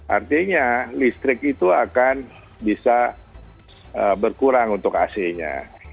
artinya listrik itu akan bisa berkurang untuk ac nya